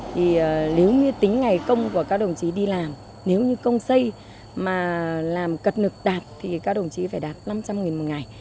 thì nếu như tính ngày công của các đồng chí đi làm nếu như công xây mà làm cận nực đạt thì các đồng chí phải đạt năm trăm linh một ngày